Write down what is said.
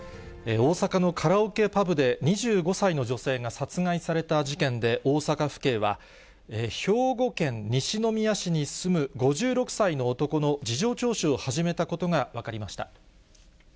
大阪のカラオケパブで、２５歳の女性が殺害された事件で、大阪府警は、兵庫県西宮市に住む５６歳の男の事情聴取を始めたことが分かりました。